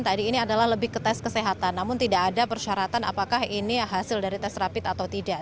tadi ini adalah lebih ke tes kesehatan namun tidak ada persyaratan apakah ini hasil dari tes rapid atau tidak